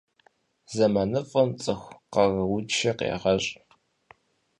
Зэманыфӏым цӏыху къарууншэ къегъэщӏ.